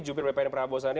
jumir bpn prabowo sandi